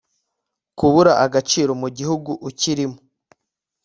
kubura agaciro mu gihugu ukirimo